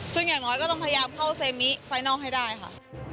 ซึ่งอย่างน้อยก็ต้องพยายามเข้าเซมิไฟนัลให้ได้ค่ะ